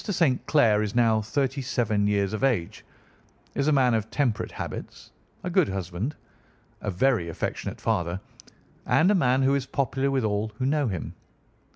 St. Clair is now thirty seven years of age, is a man of temperate habits, a good husband, a very affectionate father, and a man who is popular with all who know him.